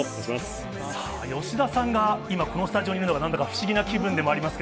吉田さんが今、このスタジオにいるのが何だか不思議な気分でもあります。